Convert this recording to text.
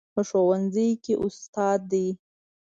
په ښوونځي کې استاد ده